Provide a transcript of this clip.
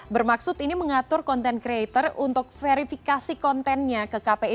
bermaksud ini mengatur konten kreator untuk verifikasi kontennya ke kpi